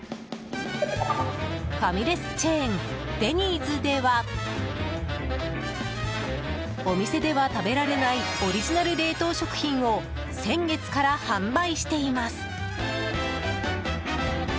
ファミレスチェーンデニーズではお店では食べられないオリジナル冷凍食品を先月から販売しています。